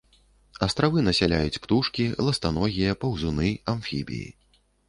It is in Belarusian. Астравы насяляюць птушкі, ластаногія, паўзуны, амфібіі.